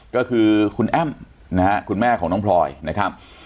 ก็คือคุณแอ้มนะฮะคุณแม่ของน้องพลอยนะครับ